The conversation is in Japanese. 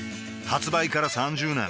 発売から３０年